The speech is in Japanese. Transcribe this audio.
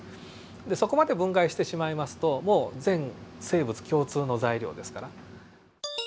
でそこまで分解してしまいますともう全生物共通の材料ですから。